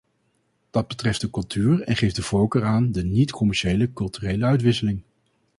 Dat betreft de cultuur en geeft de voorkeur aan de niet-commerciële culturele uitwisseling.